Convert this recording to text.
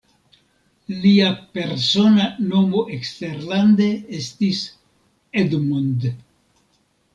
Lia persona nomo eksterlande estis "Edmund".